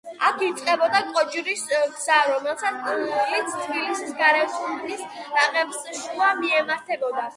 აქ იწყებოდა კოჯრის გზა, რომელიც თბილისის გარეთუბნის ბაღებს შუა მიემართებოდა.